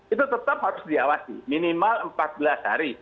itu tetap harus diawasi minimal empat belas hari